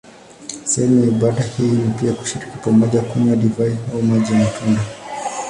Sehemu ya ibada hii ni pia kushiriki pamoja kunywa divai au maji ya matunda.